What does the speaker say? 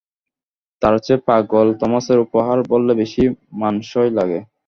তারচে পাগল থমাসের উপহার বললে বেশি মানানসই লাগে।